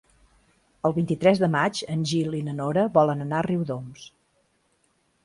El vint-i-tres de maig en Gil i na Nora volen anar a Riudoms.